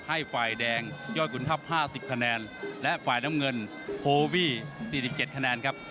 ให้ฝ่ายแดงย่อยกุลทัพห้าสิบคะแนนและฝ่ายน้ำเงินโควีสี่สิบเจ็ดคะแนนครับ